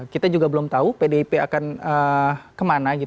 kita juga belum tahu pdip akan kemana